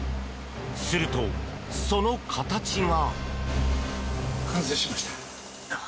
すると、その形が。